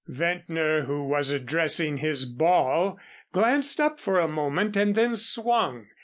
Ventnor, who was addressing his ball, glanced up for a moment and then swung.